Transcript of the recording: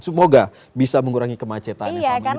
semoga bisa mengurangi kemacetannya